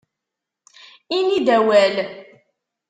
Ini-d awal!